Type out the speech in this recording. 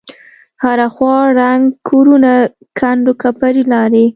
هره خوا ړنگ کورونه کند وکپرې لارې.